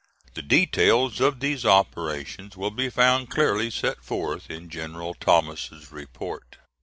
The details of these operations will be found clearly set forth in General Thomas's report.